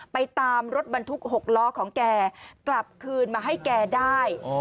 ไปตามรถบรรทุก๖ล้อของแกกลับคืนมาให้แกได้